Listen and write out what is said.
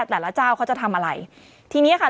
แต่ละเจ้าเขาจะทำอะไรทีนี้ค่ะ